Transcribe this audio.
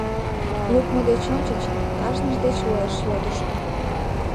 Лукмо деч ончыч кажныж деч уэш йодышто.